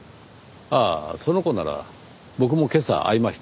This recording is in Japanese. ああその子なら僕も今朝会いました。